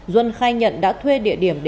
duân khai nhận đã thuê địa điểm